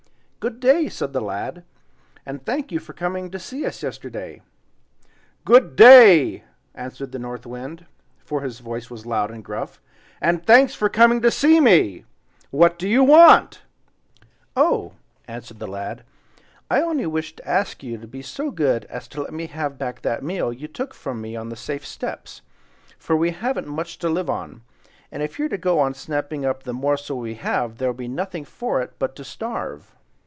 "Good day!" said the lad, and "thank you for coming to see us yesterday." "GOOD DAY!" answered the North Wind, for his voice was loud and gruff, "AND THANKS FOR COMING TO SEE ME. WHAT DO YOU WANT?" "Oh!" answered the lad, "I only wished to ask you to be so good as to let me have back that meal you took from me on the safe steps, for we haven't much to live on; and if you're to go on snapping up the morsel we have there'll be nothing for it but to starve."